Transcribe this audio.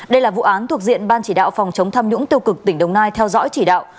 đây là vụ án thuộc diện ban chỉ đạo phòng chống tham nhũng tiêu cực tỉnh đồng nai theo dõi chỉ đạo